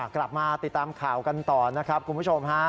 กลับมาติดตามข่าวกันต่อนะครับคุณผู้ชมฮะ